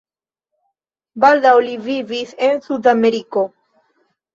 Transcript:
Baldaŭ li vivis en Sud-Ameriko.